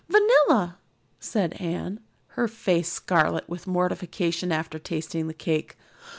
"Vanilla," said Anne, her face scarlet with mortification after tasting the cake.